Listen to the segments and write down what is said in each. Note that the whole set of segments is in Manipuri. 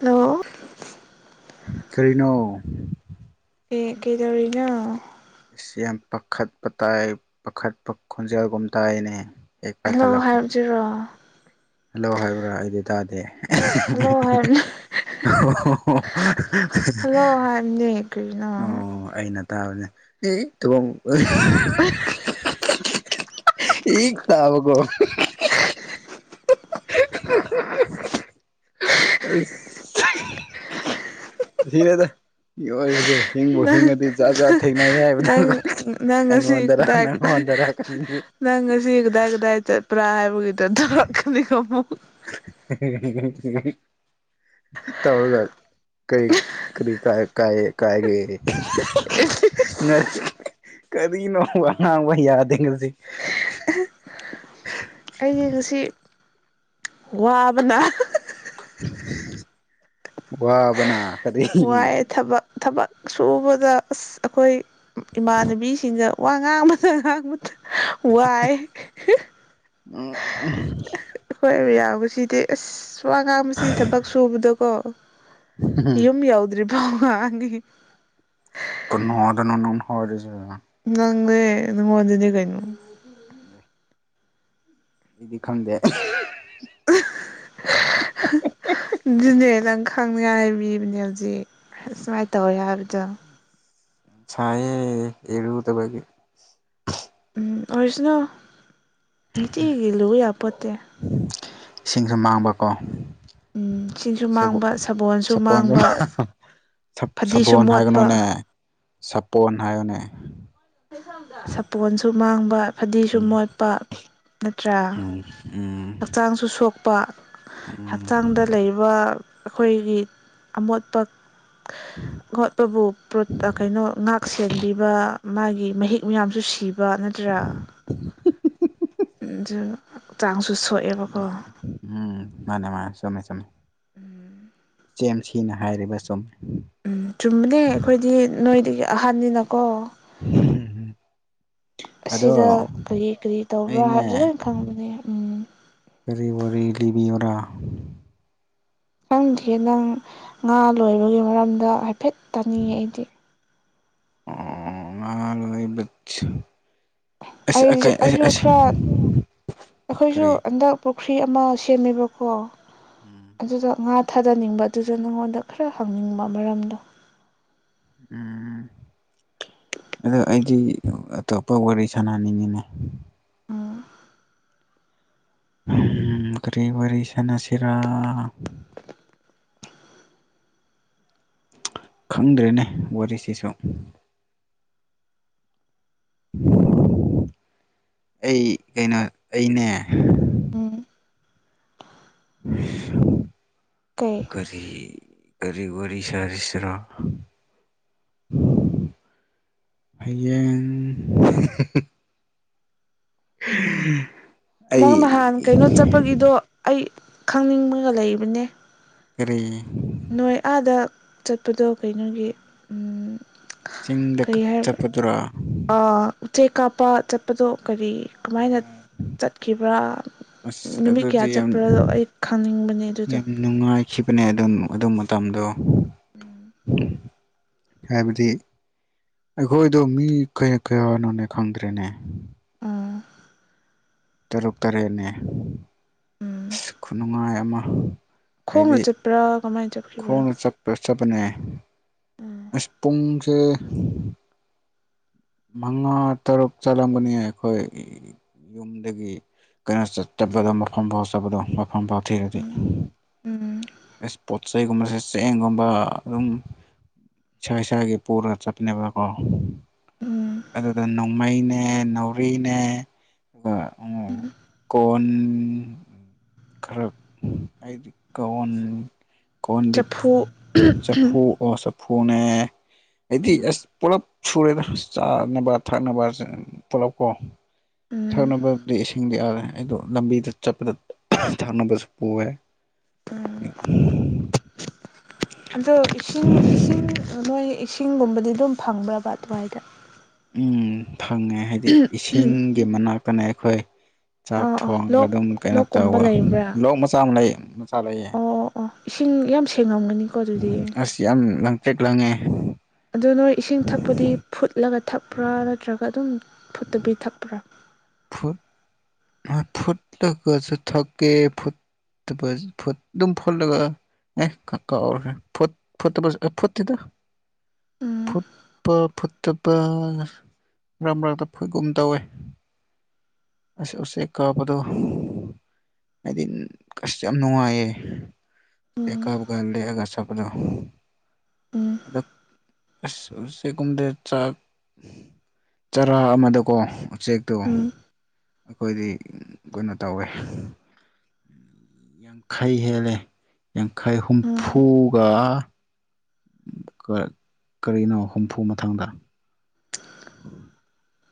ꯍꯂꯣ ꯀꯔꯤꯅꯣ ꯑꯦ ꯀꯩꯗꯧꯔꯤꯅꯣ ꯑꯁꯤ ꯌꯥꯝ ꯄꯥꯈꯠꯄ ꯇꯥꯏ ꯄꯥꯈꯠꯄ ꯈꯣꯟꯖꯦꯜꯒꯨꯝ ꯇꯥꯏꯅꯦ ꯍꯦꯛ ꯍꯜꯂꯣ ꯄꯥꯏꯈꯠꯂꯛꯄꯒ ꯍꯥꯏꯕꯖꯤꯔꯣ ꯍꯜꯂꯣ ꯍꯥꯏꯕ꯭ꯔꯥ ꯑꯩꯗꯤ ꯇꯥꯗꯦ ꯍꯜꯂꯣ ꯍꯥꯏꯕꯅꯦ ꯑꯣ ꯀꯩꯅ ꯏꯇꯨꯝ ꯏꯒ ꯇꯥꯎꯒꯣ [unintelligible] ꯁꯤꯅꯦꯗ ꯌꯣꯑꯏꯕꯈꯤ ꯍꯤꯡꯕꯨ ꯅꯪ ꯍꯤꯡꯉꯗꯤ ꯖꯥꯠ ꯖꯥꯠ ꯊꯦꯡꯅꯩ ꯍꯥꯏꯕꯅꯤ ꯅꯪ ꯅꯪ ꯉꯁꯤ ꯑꯩꯉꯣꯟꯗꯔ ꯀꯗꯥꯏ ꯅꯪꯉꯣꯟꯗꯔ ꯈꯪꯗꯦ ꯅꯪ ꯉꯁꯤ ꯀꯗꯥꯏ ꯀꯗꯥꯏ ꯆꯠꯄ꯭ꯔꯥ ꯍꯥꯏꯕꯒꯤꯗ ꯊꯣꯛꯧꯔꯛꯀꯅꯤꯀꯣ ꯑꯃꯨꯛ [unintelligible] ꯇꯧꯔꯒ ꯀꯔꯤ ꯀꯔꯤ ꯀ ꯀꯥꯏ ꯀꯥꯏꯒꯦ ꯉ ꯑꯩꯗꯤ ꯀꯔꯤꯅꯣꯕ ꯉꯥꯡꯅꯥꯕ ꯌꯥꯗꯦ [unintelligible] ꯋꯥꯕꯅꯥ ꯋꯥꯕꯅꯥ ꯋꯥꯏꯌꯦ ꯊꯕꯛ ꯊꯕꯛ ꯁꯨꯕꯗ ꯑꯁ ꯑꯩꯈꯣꯏ ꯏꯃꯥꯟꯅꯕꯤꯁꯤꯡꯅ ꯋꯥ ꯉꯥꯡꯕꯗ ꯉꯥꯡꯕ ꯋꯥꯏ ꯎꯝ ꯎ ꯁꯤꯗꯤ ꯑꯁ ꯋꯥ ꯉꯥꯡꯕꯁꯤ ꯊꯕꯛ ꯁꯨꯕꯗꯀꯣ ꯌꯨꯝ ꯌꯥꯎꯗ꯭ꯔꯤꯕ ꯋꯥꯉꯣꯡꯏ ꯈꯨꯅꯣꯡ ꯑꯗꯨ ꯅꯣꯛꯀꯅꯨꯀꯣ ꯍꯥꯏꯁꯤ ꯅꯪꯅꯦ ꯅꯪꯉꯣꯟꯗꯅꯦ ꯀꯩꯅꯣ ꯎ ꯑꯩꯗꯤ ꯈꯪꯗꯦ ꯗꯨ ꯅꯦ ꯈꯥꯡꯅꯤꯉꯥꯏ ꯍꯥꯏꯕꯤꯕꯅꯦ ꯍꯧꯖꯤꯛ ꯁꯨꯃꯥꯏ ꯇꯧꯋꯦ ꯍꯥꯏꯕꯗꯣ ꯁꯌꯦ ꯏꯔꯨꯗꯕꯥꯒꯤ ꯎꯝ ꯑꯣꯔꯁꯅꯣ ꯅꯤꯇꯤꯒꯤ ꯂꯨ ꯌꯥꯄꯣꯠꯇꯦ ꯏꯁꯤꯡꯁꯨ ꯃꯥꯡꯕꯀꯣ ꯎꯝ ꯁꯤꯡꯁꯨ ꯆꯕꯨꯛ ꯃꯥꯡꯕ ꯁꯥꯕꯣꯟꯁꯨ ꯆꯄꯣꯟ ꯃꯥꯡꯕ ꯐꯗꯤꯁꯨ ꯁꯄꯣꯅ ꯍꯥꯏꯒꯅꯣꯅꯦ ꯃꯣꯠꯄ ꯁꯄꯣꯅ ꯍꯥꯏꯌꯣꯅꯦ ꯁꯥꯄꯣꯟꯁꯨ ꯃꯥꯡꯕ ꯐꯗꯤꯁꯨ ꯎꯝ ꯃꯣꯠꯄ ꯅꯠꯇ꯭ꯔꯥ ꯎꯝ ꯎꯝ ꯍꯛꯆꯥꯡꯁꯨ ꯁꯣꯛꯄ ꯎꯝ ꯍꯛꯆꯥꯡꯗ ꯂꯩꯕ ꯑꯩꯈꯣꯏꯒꯤ ꯑꯃꯣꯠꯄ ꯈꯣꯠꯄꯕꯨ ꯀꯩꯅꯣ ꯉꯥꯛ ꯁꯦꯟꯕꯤꯕ ꯃꯥꯒꯤ ꯃꯍꯤꯛ ꯃꯌꯥꯝꯁꯨ ꯁꯤꯕ ꯅꯠꯇ꯭ꯔꯥ ꯆꯥꯡꯁꯨꯁꯛ ꯎꯝ ꯃꯥꯅꯦ ꯃꯥꯅꯦ ꯆꯨꯝꯃꯦ ꯆꯨꯞꯃꯦ ꯎꯝ ꯆꯦꯝ ꯁꯤꯅ ꯍꯥꯏꯔꯤꯕ ꯆꯨꯝꯃꯤ ꯎꯝ ꯆꯨꯝꯕꯅꯦ ꯑꯩꯈꯣꯏꯗꯤ ꯅꯣꯏꯗꯒꯤ ꯑꯍꯥꯟꯕꯅꯤꯅꯀꯣ ꯑꯗꯣ ꯑꯁꯤꯗ ꯀꯔꯤ ꯀꯔꯤ ꯇꯧꯕ꯭ꯔꯥ ꯑꯩꯅꯦ ꯍꯥꯏꯕꯁꯨ ꯂꯣꯏ ꯈꯪꯕꯅꯦ ꯎꯝ ꯀꯔꯤ ꯋꯥꯔꯤ ꯂꯤꯕꯤꯌꯔꯥ ꯅꯪꯗꯤ ꯅꯪ ꯉꯥ ꯂꯣꯏꯕꯒꯤ ꯃꯔꯝꯗ ꯍꯥꯏꯐꯦꯠ ꯇꯥꯅꯤꯡꯉꯦ ꯑꯩꯗꯤ ꯑꯣ ꯉ ꯏ ꯑꯩ ꯑꯩꯁꯨ ꯈꯔ ꯑꯩꯈꯣꯏꯁꯨ ꯀꯔꯤ ꯍꯟꯗꯛ ꯄꯨꯈ꯭ꯔꯤ ꯑꯃ ꯁꯦꯝꯃꯦꯕꯀꯣ ꯎꯝ ꯑꯗꯨꯗ ꯉꯥ ꯊꯥꯗꯅꯤꯡꯕ ꯑꯗꯨꯗ ꯅꯪꯉꯣꯟꯗ ꯈꯔ ꯍꯪꯅꯤꯡꯕ ꯃꯔꯝꯗꯣ ꯎꯝ ꯑꯗꯣ ꯑꯩꯗꯤ ꯑꯇꯣꯞꯄ ꯋꯥꯔꯤ ꯁꯥꯟꯅꯅꯤꯡꯉꯤꯅꯦ ꯎꯝ ꯎꯝ ꯀꯔꯤ ꯋꯥꯔꯤꯔꯤ ꯁꯅꯁꯤꯔꯥ ꯈꯪꯗ꯭ꯔꯦꯅꯦ ꯋꯥꯔꯤꯁꯤꯁꯨ ꯑꯩ ꯀꯩꯅꯣ ꯑꯩꯅꯦ ꯎꯝ ꯀꯩ ꯀꯔꯤ ꯀꯔꯤꯒꯔꯤ ꯁꯔꯁ꯭ꯔꯥ ꯍꯌꯦꯌꯦꯡ [unintelligible] ꯅꯪ ꯅꯍꯥꯟ ꯀꯩꯅꯣ ꯆꯠꯄꯒꯤꯗꯣ ꯑꯩ ꯈꯪꯅꯤꯡꯕꯒ ꯂꯩꯕꯅꯦ ꯀꯔꯤ ꯅꯣꯏ ꯑꯥꯗ ꯆꯠꯄꯗꯣ ꯀꯩꯅꯣꯒꯤ ꯆꯤꯡꯗ ꯀꯔꯤ ꯀꯛ ꯍꯥꯏꯕ ꯆꯠꯄꯗꯨꯔꯥ ꯎꯆꯦꯛ ꯀꯥꯞꯄ ꯆꯠꯄꯗꯣ ꯀꯔꯤ ꯀꯃꯥꯏꯅ ꯆꯠꯈꯤꯕ꯭ꯔꯥ ꯑꯁ ꯅꯨꯃꯤꯠ ꯑꯗꯨꯗꯤ ꯀꯌꯥ ꯌꯥꯝ ꯆꯠꯄ꯭ꯔꯥꯗꯣ ꯑꯩ ꯈꯪꯅꯤꯡꯕꯅꯦ ꯑꯗꯨꯗ ꯁꯤꯄꯅꯦ ꯑꯗꯨ ꯑꯗꯨ ꯃꯇꯝꯗꯣ ꯎꯝ ꯍꯥꯏꯕꯗꯤ ꯑꯩꯈꯣꯏꯗꯣ ꯃꯤ ꯀꯌꯥ ꯀꯌꯥꯅꯣꯅꯦ ꯈꯪꯗ꯭ꯔꯦꯅꯦ ꯑꯥ ꯇꯔꯨꯛ ꯇꯔꯦꯠꯅꯦ ꯎꯝ ꯑꯁ ꯈꯨꯅꯨꯡꯉꯥꯏ ꯑꯃ ꯈꯣꯡꯅ ꯍꯥꯏꯗꯤ ꯆꯠꯄ꯭ꯔꯥ ꯀꯃꯥꯏꯅ ꯆꯠꯈꯤꯕ꯭ꯔꯥ ꯈꯣꯡꯅ ꯆꯠꯄ ꯆꯠꯄꯅꯦ ꯑꯁ ꯄꯨꯡꯨꯡꯁꯦ ꯃꯉꯥ ꯇꯔꯨꯛ ꯆꯠꯂꯝꯕꯅꯤ ꯑꯩꯈꯣꯏ ꯌꯨꯝꯗꯒꯤ ꯀꯩꯅꯣ ꯆꯠꯄꯗꯣ ꯃꯐꯝ ꯐꯥꯎ ꯆꯠꯄꯗꯣ ꯃꯐꯝ ꯐꯥꯎ ꯊꯤꯔꯗꯤ ꯎꯝ ꯑꯩ ꯄꯣꯠ ꯆꯩꯩꯒꯨꯝꯕꯁꯦ ꯆꯦꯡꯒꯨꯝꯕ ꯑꯗꯨꯝ ꯁꯋꯥ ꯁ꯭ꯋꯥꯏꯒꯤ ꯄꯨꯔꯒ ꯆꯠꯅꯦꯕꯀꯣ ꯎꯝ ꯑꯗꯨꯗ ꯅꯣꯡꯃꯩꯅꯦ ꯅꯥꯎꯔꯤꯅꯦ ꯑ ꯎ ꯀꯣꯟ ꯈꯔ ꯍꯥꯏꯗꯤ ꯀꯟ ꯀꯣꯟꯗꯤꯞ ꯆꯐꯨ ꯆꯨ ꯑꯣ ꯁ ꯐꯨꯅꯦ ꯑꯩꯗꯤ ꯎꯝ ꯑꯁ ꯄꯨꯂꯞ ꯁꯨꯔꯦꯗ ꯆꯥꯅꯕ ꯊꯛꯅꯕ ꯄꯨꯂꯞ ꯀꯣ ꯎꯝ ꯊꯛꯅꯕꯗꯤ ꯏꯁꯤꯡꯗꯤ ꯑꯜꯂꯦ ꯑꯩꯗꯣ ꯂꯝꯕꯤꯗ ꯆꯠꯄꯗ ꯊꯛꯅꯕꯁꯨ ꯄꯨꯋꯦ ꯎꯝ ꯑꯗꯣ ꯏꯁꯤꯡ ꯏꯁꯤꯡ ꯃꯣꯏ ꯏꯁꯤꯡꯒꯨꯝꯕꯗꯤ ꯑꯗꯨꯝ ꯐꯪꯕ꯭ꯔꯕ ꯑꯗꯨꯋꯥꯏꯗ ꯎ ꯐꯪꯉꯦ ꯍꯥꯏꯗꯤ ꯏꯁꯤꯡꯒꯤ ꯃꯅꯥꯛꯇꯅ ꯑꯩꯈꯣꯏ ꯆꯥꯛ ꯑꯣ ꯑꯣ ꯊꯣꯡꯉꯒ ꯂꯣꯛ ꯑꯗꯨꯝ ꯀꯩꯅꯣ ꯂꯣꯛꯀꯨꯝꯕ ꯇꯧꯧꯕ ꯂꯩꯕ꯭ꯔꯥ ꯂꯣꯛ ꯃꯆꯥ ꯑꯃ ꯂꯩ ꯃꯆꯥ ꯂꯩꯌꯦ ꯑꯣ ꯑꯣ ꯏꯁꯤꯡ ꯌꯥꯝ ꯁꯦꯡꯉꯝꯒ ꯑꯁ ꯌꯥꯝ ꯂꯪꯇꯦꯛ ꯂꯪꯉꯦ ꯑꯗꯨ ꯅꯣꯏ ꯏꯁꯤꯡ ꯊꯛꯄꯗꯤ ꯐꯨꯠꯂꯒ ꯊꯛꯄ꯭ꯔꯥ ꯅꯠꯇ꯭ꯔꯒ ꯑꯗꯨꯝ ꯐꯨꯠꯇꯕꯤ ꯊꯛꯄ꯭ꯔꯥ ꯐꯨꯠ ꯐꯨꯠ ꯂꯒꯁꯨ ꯊꯀꯦ ꯐꯨꯠ ꯇ ꯐ ꯑꯗꯨꯝ ꯐꯣꯔꯂ ꯑꯦ ꯈꯥ ꯀꯥꯎꯔꯦ ꯐꯨꯠ ꯐꯨꯠꯇꯕꯖꯦ ꯑꯦ ꯐꯨꯠꯇꯦꯗ ꯎꯝ ꯐꯨꯠꯄ ꯐꯨꯠ ꯑꯇꯣꯞꯄ ꯅ ꯔꯝ ꯔ꯭ꯛꯇ ꯐꯨꯠꯒꯨꯝ ꯇꯧꯋꯦ ꯑꯁ ꯎꯆꯦꯛ ꯀꯥꯕꯗꯣ ꯍꯥꯏꯗꯤ ꯑꯁ ꯌꯥꯝ ꯅꯨꯡꯉꯥꯏꯌꯦ ꯑꯦ ꯎꯝ ꯀꯥꯕ ꯒꯥꯟꯗ ꯍꯦꯛꯑꯒ ꯁꯄꯗꯣ ꯎꯝ ꯑꯁ ꯎꯆꯦꯛꯒꯨꯝꯗꯦ ꯆꯥꯛ ꯆꯔꯥ ꯑꯃꯗꯀꯣ ꯎꯆꯦꯛꯇꯣ ꯎꯝ ꯑꯩꯈꯣꯏ [inaudible] ꯈꯩ ꯍꯦꯜꯂꯦ ꯌꯥꯡꯈꯩ ꯎꯝ ꯍꯨꯝꯐꯨꯒ ꯀ꯭ꯔ ꯀꯔꯤꯅꯣ ꯍꯨꯝꯐꯨ ꯃꯊꯪꯒ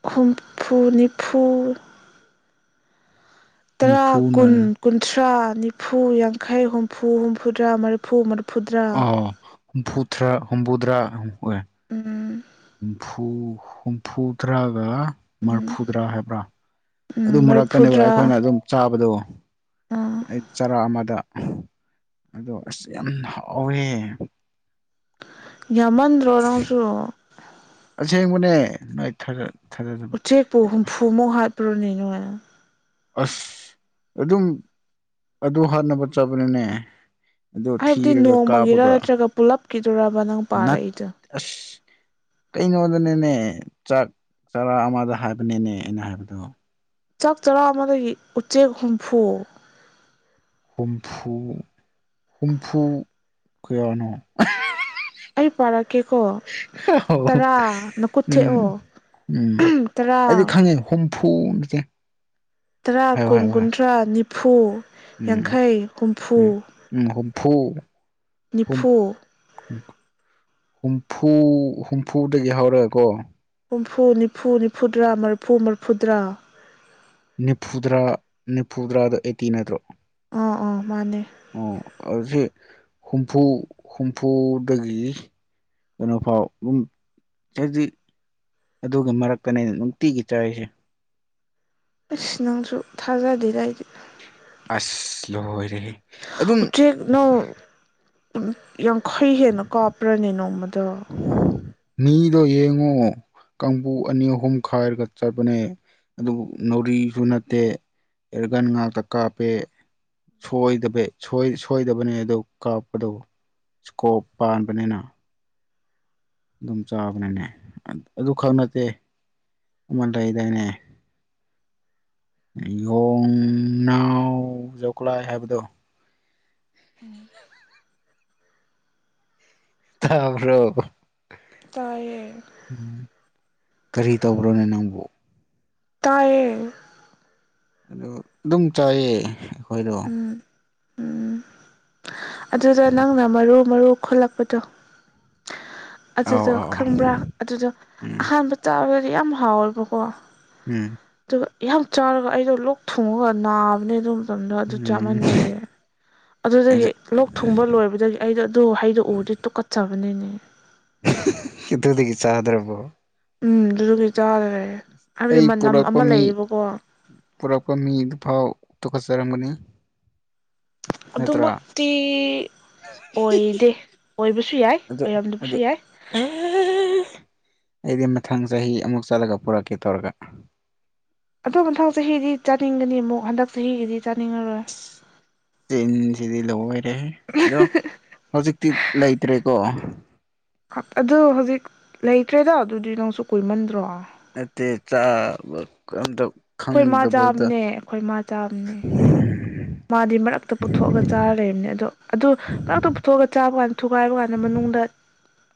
ꯍꯨꯝꯐꯨ ꯅꯤꯐꯨ ꯇꯔꯥ ꯀꯨꯟ ꯅꯤꯐꯨꯅ ꯀꯨꯟꯊ꯭ꯔꯥ ꯅꯤꯐꯨ ꯌꯥꯡꯈꯩ ꯍꯨꯝꯐꯨ ꯍꯨꯝꯐꯨꯗ꯭ꯔꯥ ꯃꯔꯤꯐꯨꯗ꯭ꯔꯥ ꯑꯣ ꯍꯨꯝꯐꯨꯊ꯭ꯔꯥ ꯍꯨꯝꯕꯨꯗ꯭ꯔꯥ ꯍꯨꯝ [unintelligible] ꯎꯝ ꯍꯨꯝꯐꯨ ꯍꯨꯝꯐꯨ ꯗ꯭ꯔꯒ ꯎꯝ ꯃ꯭ꯔꯐꯨꯗ꯭ꯔꯥ ꯍꯥꯏꯕ꯭ꯔꯥ ꯎꯝ ꯑꯗꯨ ꯃꯔꯛꯇꯅꯦꯕ ꯃꯔꯤꯐꯨꯗ꯭ꯔꯥ ꯑꯩꯈꯣꯏꯅ ꯑꯗꯨꯝ ꯆꯥꯕꯗꯣ ꯑꯥ ꯑꯩ ꯆꯔꯥ ꯑꯃꯗ ꯑꯗꯣ ꯑꯁ ꯌꯥꯝ ꯍꯥꯎꯔ꯭ꯦꯌ ꯌꯥꯃꯟꯗ꯭ꯔꯣꯅꯪꯁꯨ ꯑꯁꯦꯡꯕꯅꯦ ꯅꯣꯏ ꯊꯥꯔꯠ ꯎꯆꯦꯛꯄꯨ ꯍꯨꯝꯐꯨꯃꯨꯛ ꯍꯥꯠꯄ꯭ꯔꯣꯅꯦꯅꯣꯏꯅ ꯑꯁ ꯑꯗꯨꯝ ꯑꯗꯨ ꯍꯥꯠꯅꯕ ꯆꯥꯕꯅꯤꯅꯦ ꯑꯗꯨ ꯍꯥꯏꯕꯗꯤ ꯊꯤꯔꯒ ꯅꯣꯡꯃꯒꯤꯔ ꯀꯥꯞꯄꯒ ꯅꯠꯇ꯭ꯔꯒ ꯄꯨꯂꯞꯀꯤꯗꯨꯔꯕ ꯅꯪ ꯅꯠ ꯄꯥꯔꯛꯏꯗꯣ ꯑꯁ ꯀꯩꯅꯣꯗꯅꯦꯅꯦ ꯆꯥꯛ ꯆꯔꯥ ꯑꯃꯗ ꯍꯥꯏꯕꯅꯦꯅꯦ ꯑꯩꯅ ꯍꯥꯏꯕꯗꯣ ꯆꯥꯛ ꯆꯔꯥ ꯑꯃꯗꯒꯤ ꯎꯆꯦꯛ ꯍꯨꯝꯐꯨ ꯍꯨꯝꯐꯨ ꯍꯨꯝꯐꯨ ꯀꯌꯥꯅꯣ [unintelligible] ꯑꯩ ꯄꯥꯔꯛꯀꯦꯀꯣ [unintelligible] ꯇꯔꯥ ꯅꯀꯨꯠ ꯎꯝ ꯊꯦꯛꯑꯣ ꯎꯝ ꯑꯩꯗꯤ ꯇꯔꯥ ꯈꯪꯉꯦ ꯍꯨꯝꯐꯨꯖꯦ ꯇꯔꯥ ꯀꯨꯟ ꯀꯨꯟꯊ꯭ꯔꯥ ꯅꯤꯐꯨ ꯎꯝ ꯌꯥꯡꯈꯩ ꯍꯨꯝꯐꯨ ꯐꯨ ꯅꯤꯐꯨ ꯍꯨꯝꯐꯨ ꯍꯨꯝꯐꯨꯗꯒꯤ ꯍꯧꯔ꯭ꯑꯦꯀꯣ ꯍꯨꯝꯐꯨ ꯅꯤꯐꯨ ꯅꯤꯐꯨꯗ꯭ꯔꯥ ꯃ꯭ꯔꯐꯨ ꯃ꯭ꯔꯐꯨꯗ꯭ꯔꯥ ꯅꯤꯐꯨꯗ꯭ꯔꯥ ꯅꯤꯐꯨꯗ꯭ꯔꯥꯗꯣ ꯑꯩꯠꯇꯤ ꯅꯠꯇ꯭ꯔꯣ ꯑꯥ ꯑꯥ ꯃꯥꯅꯦ ꯑꯣ [unintelligible] ꯍꯨꯝꯐꯨ ꯍꯨꯝꯐꯨꯗꯥꯒꯤ ꯏ ꯀꯩꯅꯣ ꯐꯥꯎ ꯑꯝ ꯆꯩꯗꯤ ꯑꯗꯨꯒꯤ ꯃꯔꯛꯇꯅꯦ ꯅꯨꯡꯇꯤꯒꯤ ꯆꯥꯔꯤꯁꯦ ꯏꯁ ꯅꯪꯁꯨ ꯊꯥꯖꯥꯗꯦꯗ ꯑꯩꯗꯤ ꯑꯁ ꯂꯣꯏꯔꯦꯍꯦ ꯑꯗꯨꯝ ꯑꯝ ꯌꯥꯡꯈꯩ ꯍꯦꯟꯅ ꯀꯥꯞꯄ꯭ꯔꯥꯅꯦ ꯅꯣꯡꯃꯗ ꯃꯤꯗꯣ ꯌꯦꯡꯉꯣ ꯀꯥꯡꯕꯨ ꯑꯅꯤ ꯑꯍꯨꯝ ꯈꯥꯏꯔꯒ ꯆꯠꯄꯅꯦ ꯑꯗꯨꯕꯨ ꯅꯥꯎꯔꯤꯁꯨ ꯅꯠꯇꯦ ꯑ꯭ꯦꯔꯒꯟ ꯉꯥꯛꯇ ꯀꯥꯞꯄꯦ ꯁꯣꯏꯗꯕꯦ ꯁꯣꯏ- ꯁꯣꯏꯗꯕꯅꯦ ꯑꯗꯨ ꯀꯥꯞꯄꯗꯣ ꯏ꯭ꯁꯀꯣꯞ ꯄꯥꯟꯕꯅꯤꯅ ꯑꯗꯨꯝ ꯆꯥꯕꯅꯦꯅꯦ [unintelligible] ꯑꯗꯨ ꯈꯛ ꯅꯠꯇꯦ ꯎꯃꯟꯗꯩꯗꯥꯏꯅꯦ ꯌꯣꯡꯅꯥꯎ ꯖꯧꯈꯂꯥꯏ ꯍꯥꯏꯕꯗꯣ ꯊꯕ꯭ꯔꯣ ꯇꯥꯏꯌꯦ ꯀꯔꯤ ꯇꯧꯕ꯭ꯔꯣꯅꯦ ꯅꯪꯕꯨ ꯇꯥꯏꯌꯦꯡ ꯑꯗꯨ ꯑꯗꯨꯝ ꯆꯥꯏꯌꯦ ꯑꯩꯈꯣꯏꯗꯣ ꯎꯝ ꯎꯝ ꯑꯗꯨꯗ ꯅꯪꯅ ꯃꯔꯨ ꯃꯔꯨ ꯈꯣꯠꯂꯛꯄꯗꯣ ꯑꯧ ꯑꯗꯨꯗꯣ ꯑꯧ ꯈꯪꯕ꯭ꯔꯥ ꯑꯧ ꯑꯗꯨꯗꯣ ꯎꯝ ꯑꯍꯥꯟꯕ ꯆꯥꯔꯒꯗꯤ ꯌꯥꯝ ꯍꯥꯎꯋꯦꯕꯀꯣ ꯎꯝ ꯑ ꯌꯥꯝ ꯆꯥꯔꯒ ꯑꯩꯗꯣ ꯂꯣꯛ ꯊꯨꯡꯉꯒ ꯅꯥꯕꯅꯦ ꯑꯗꯨ ꯃꯇꯝꯗ ꯑꯗꯨ ꯎꯝ ꯆꯥꯃꯟꯈ꯭ꯔꯦ ꯑꯗꯨꯗꯒꯤ ꯑꯗꯨ ꯂꯣꯛ ꯊꯨꯡꯕ ꯂꯣꯏꯕꯗꯒꯤ ꯑꯩꯗꯣ ꯑꯗꯨ ꯍꯩꯗꯣ ꯎꯔꯗꯤ ꯇꯨꯀꯠꯆꯕꯅꯤꯅꯦ ꯀꯇꯗꯒꯤ ꯆꯥꯗ꯭ꯔꯕ ꯎꯝ ꯑꯗꯨꯗꯨꯒꯤ ꯆꯥꯗ꯭ꯔꯦ ꯍꯥꯏꯕꯗꯤ ꯃꯅꯝ ꯑꯃ ꯂꯩꯌꯦꯕꯀꯣ ꯄꯨꯔꯥꯞꯄ꯭ꯔꯃꯤꯚꯥꯎ ꯇ ꯈꯆꯔꯒꯅꯤ ꯑꯗꯨꯃꯛꯇꯤ ꯑꯣꯏꯗꯦ ꯑꯣꯏꯕꯁꯨ ꯌꯥꯏ ꯑꯗꯨ ꯑꯣꯏꯔꯝꯗꯕꯁꯨ ꯑꯗꯨ ꯌꯥꯏ ꯑꯩꯗꯤ ꯃꯊꯪ ꯆꯍꯤ ꯑꯃꯨꯛ ꯆꯠꯂꯒ ꯄꯨꯔꯛꯀꯦ ꯇꯧꯔꯒ ꯑꯊꯪ ꯃꯊꯪ ꯆꯍꯤꯗꯤ ꯆꯥꯅꯤꯡꯒꯅꯤ ꯑꯃꯨꯛ ꯍꯟꯗꯛ ꯆꯍꯤꯒꯤꯗꯤ ꯆꯥꯅꯤꯡꯉꯔꯣꯏ ꯆꯤꯟꯁꯤꯗꯤ ꯂꯣꯏꯔꯦ ꯑꯗꯣ ꯍꯧꯖꯤꯛꯇꯤ ꯂꯩꯇ꯭ꯔꯦꯀꯣ ꯑꯗꯨ ꯍꯧꯖꯤꯛ ꯂꯩꯇ꯭ꯔꯦꯗ ꯑꯗꯨꯗꯤ ꯅꯪꯁꯨ ꯀꯨꯏꯃꯟꯗ꯭ꯔꯣ ꯃ ꯆ ꯑꯩꯈꯣꯏ ꯃꯥ ꯆꯥꯕꯅꯦ ꯑꯩꯈꯣꯏ ꯃꯥ ꯆꯥꯝꯅꯦ ꯃꯥꯗꯤ ꯃꯔꯛꯇ ꯄꯨꯊꯣꯛꯑꯒ ꯆꯥꯔ ꯂꯩꯕꯅꯤ ꯑꯗꯣ ꯑꯗꯨ ꯃꯔꯛꯇ ꯄꯨꯊꯣꯛꯑꯒ ꯆꯥꯕ ꯀꯥꯟꯗ ꯊꯨꯒꯥꯏꯕ ꯀꯥꯟꯗ ꯃꯅꯨꯡꯗ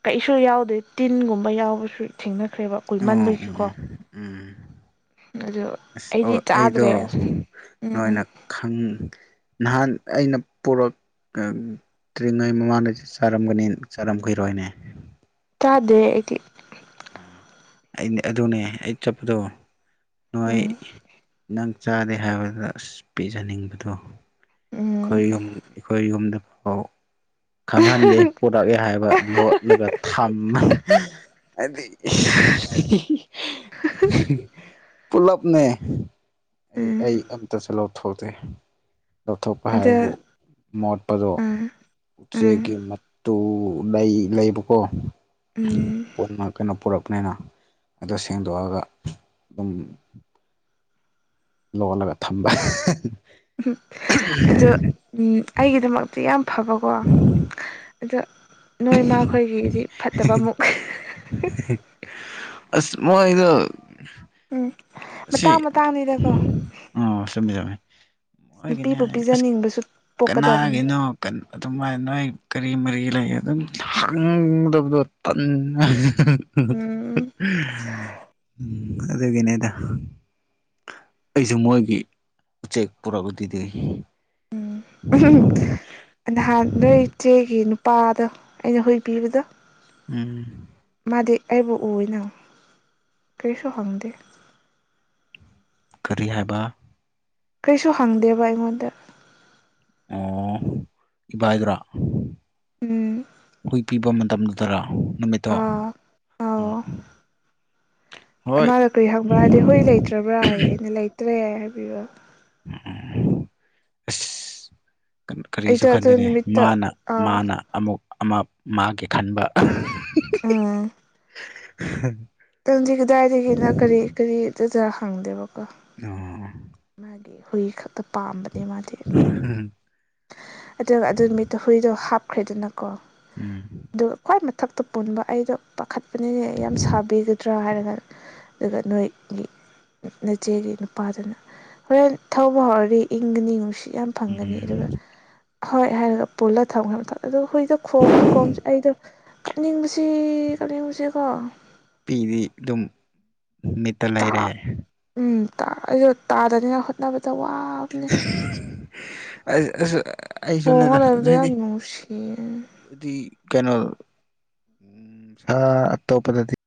ꯀꯩꯁꯨ ꯌꯥꯎꯗꯦ ꯇꯤꯟꯒꯨꯝꯕ ꯌꯥꯎꯕꯁꯨ ꯊꯦꯡꯅ ꯈ꯭ꯔꯦꯕ ꯑꯣ ꯎꯝ ꯀꯨꯏꯃꯟꯕꯒꯤꯁꯀꯣ ꯎꯝ ꯎꯝ ꯑꯗꯨ ꯑꯁ ꯑꯩꯗꯤ ꯑꯣ ꯑꯩꯗꯣ ꯆꯥꯗ꯭ꯔꯦ ꯎꯝ ꯅꯣꯏꯅ ꯈꯪ ꯅꯍꯥꯟ ꯑꯩꯅ ꯄꯨꯔꯛ ꯇ꯭ꯔꯤꯉꯩꯒꯤ ꯃꯃꯥꯡꯗꯩ ꯆꯥꯔꯝꯒꯅꯤ ꯆꯥꯔꯝꯈꯤꯔꯣꯏꯅꯦ ꯆꯥꯗꯦ ꯑꯩꯗꯤ ꯎꯝ ꯑꯗꯨꯅꯦ ꯑꯩ ꯆꯠꯄꯗꯣ ꯅꯥꯏ ꯎꯝ ꯅꯪ ꯆꯥꯗꯦ ꯍꯥꯏꯕꯗ ꯑꯁ ꯄꯤꯖꯅꯤꯡꯕꯗꯣ ꯎꯝ ꯑꯩꯈꯣꯏ ꯌꯨꯝ ꯑꯩꯈꯣꯏ ꯌꯨꯝꯗ ꯑꯣ ꯈꯪꯍꯟꯗꯦ ꯄꯨꯣꯔꯛꯑꯦ ꯍꯥꯏꯕ ꯂꯣꯠꯂꯒ ꯊꯝꯃ ꯑꯗꯨꯗꯤ ꯄꯨꯂꯞꯅꯦ ꯑꯩ ꯎꯝ ꯑꯩ ꯑꯝꯇꯁꯨ ꯂꯧꯊꯣꯛꯇꯦ ꯂꯧꯊꯣꯛꯄ ꯍꯥꯏꯕꯨ ꯑꯗ ꯃꯣꯠꯄꯗꯣ ꯎꯝ ꯎꯝ ꯆꯦꯛꯒꯤ ꯃꯇꯨ ꯂꯩ ꯂꯩꯕꯀꯣ ꯎꯝ ꯀꯩꯅꯣ ꯄꯨꯔꯛꯄꯅꯤꯅ ꯑꯗꯣ ꯁꯦꯡꯗꯣꯛꯑꯒ ꯎꯝ ꯂꯣꯜꯂꯒ ꯊꯝꯕ ꯑꯗꯣ ꯑꯩꯒꯤꯗꯃꯛꯇ ꯌꯥꯝ ꯐꯕꯀꯣ ꯑꯗ ꯅꯣꯏꯃꯈꯣꯏꯒꯤꯗꯤ ꯐꯠꯇꯕꯃꯨꯛ ꯑꯁ ꯃꯗꯨ ꯎꯝ ꯃꯇꯥꯡ ꯃꯇꯥꯡꯅꯤꯗꯀꯣ ꯑꯣ ꯆꯨꯝꯃꯤ ꯆꯨꯝꯃꯤ ꯃꯣꯏꯒꯤꯅꯦ ꯅꯨꯄꯤꯕꯨ ꯍꯥꯏ ꯑꯁ ꯄꯤꯖꯅꯤꯡꯕꯁꯨ ꯄꯣꯛꯀꯗꯕꯅꯤ ꯀꯅꯥꯒꯤꯅꯣ ꯑꯗꯨꯃꯥꯏꯅ ꯅꯣꯏ ꯀꯔꯤ ꯃꯔꯤ ꯂꯩ ꯑꯗꯨꯝ ꯍꯪꯗꯕꯗꯣ ꯇꯟꯅ ꯎꯝ ꯑꯗꯨꯗꯒꯅꯦꯗ ꯑꯩꯁꯨ ꯃꯣꯏꯒꯤ ꯎꯆꯦꯛ ꯄꯨꯔꯛꯎꯗꯗꯤꯣꯏ ꯎ ꯅꯍꯥꯟ ꯅꯣꯏ ꯏꯆꯦꯒꯤ ꯅꯨꯄꯥꯗ ꯑꯩꯅ ꯍꯨꯏꯕꯤꯕꯗꯣ ꯎꯝ ꯃꯥꯗꯤ ꯑꯩꯕꯨ ꯎꯅ ꯀꯔꯤꯁꯨ ꯍꯪꯗꯦ ꯀꯔꯤ ꯍꯥꯏꯕ ꯀꯩꯁꯨ ꯍꯪꯗꯦꯕ ꯑꯩꯉꯣꯟꯗ ꯑꯣ ꯏꯚꯏꯗ꯭ꯔꯥ ꯎꯝ ꯍꯨꯏ ꯄꯤꯕ ꯇꯝꯗꯨꯗꯔꯥ ꯅꯨꯃꯤꯠꯇꯣ ꯎꯝ ꯍꯣꯏ ꯃꯥꯃꯥꯗ ꯀꯔꯤ ꯍꯪꯕ꯭ꯔꯥꯗꯤ ꯍꯣꯏ ꯎꯝ ꯂꯩꯇ꯭ꯔꯕ꯭ꯔꯥ ꯑꯩꯅ ꯂꯩꯇ꯭ꯔꯦ ꯍꯥꯏꯕꯤꯕ ꯎ ꯀꯔꯤꯁꯨ ꯑꯩꯗꯣ ꯑꯗꯨ ꯈꯟꯗꯦ ꯅꯨꯃꯤꯠꯇ ꯃꯥꯅ ꯑꯥ ꯃꯥꯅ ꯑꯃꯨꯛ ꯑꯃ ꯃꯥꯒꯤꯦ ꯈꯟꯕ ꯑꯥ [inaudible] ꯇꯪꯗꯤ ꯀꯗꯥꯏꯗꯒꯤꯅ ꯀꯔꯤ ꯀꯔꯤ ꯗꯖ ꯍꯪꯗꯦꯕꯀꯣ ꯑ ꯃꯥꯒꯤꯦ ꯍ ꯄꯥꯝꯕꯅꯦ ꯃꯥꯗꯤ ꯎꯝ ꯑꯗꯨꯒ ꯑꯗꯨ ꯅꯨ ꯃꯤꯠꯇ ꯍꯨꯏꯗꯣ ꯍꯥꯞꯈ꯭ꯔꯦꯗꯅ ꯀꯣ ꯑꯗꯨꯒ ꯈ꯭ꯋꯥꯏ ꯃꯊꯛꯇ ꯄꯨꯟꯕ ꯑꯩꯗꯣ ꯄꯥꯈꯠ ꯅꯅꯦ ꯌꯥꯝ ꯁꯥꯕꯤꯒꯗ꯭ꯔꯥ ꯍꯥꯏꯔ ꯑꯗꯨꯒ ꯅꯣꯏꯒꯤ ꯅꯆꯦꯒꯤ ꯅꯨꯄꯥꯗꯅ ꯍꯣꯔꯦꯟ ꯊꯧꯕ ꯍꯧꯔꯗꯤ ꯏꯪꯒꯅꯤ ꯅꯨꯡꯁꯤꯠ ꯌꯥꯝ ꯐꯪꯒꯅꯤ ꯎꯝ ꯑꯗꯨꯒ ꯍꯣꯏ ꯍꯥꯏꯔꯒ ꯄꯨꯜꯂ ꯊꯝꯈ꯭ꯔ ꯃꯇꯝ ꯑꯗꯣ ꯍꯨꯏꯗ ꯈꯣꯡꯝꯕꯁꯤ ꯈꯣꯡꯕꯁꯤ ꯑꯩꯗ ꯀꯞꯅꯤꯡꯕꯁꯤ ꯇꯧꯔꯤꯡꯉꯁꯦꯀꯣ ꯄꯤꯗꯤ ꯑꯗꯨꯝ ꯃꯤꯠꯇ ꯂꯩꯔꯦ ꯑꯩꯁꯨꯣ ꯇꯥꯗꯅꯤꯅ ꯍꯣꯠꯅꯕꯗ ꯋꯥꯕꯅꯤ ꯑꯩꯁꯨꯅꯦꯗ ꯑꯗꯨꯏꯗꯤ ꯌꯥꯝ ꯅꯨꯡꯁꯤꯌꯦ ꯑꯗꯨꯗꯤ ꯀꯩꯅꯣ ꯎ ꯁꯥ ꯑꯇꯣꯞꯄꯗꯗꯤ